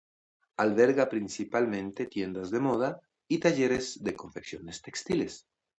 Alberga principalmente tiendas de moda y talleres de confecciones textiles.